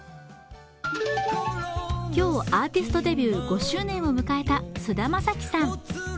今日、アーティストデビュー５周年を迎えた菅田将暉さん。